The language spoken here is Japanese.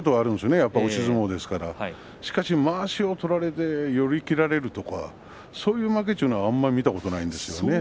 やっぱり押し相撲ですからしかし、まわしを取られて寄り切られる負けとかはあまり見たことはないですね。